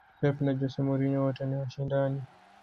pep na jose mourinho wote ni washindani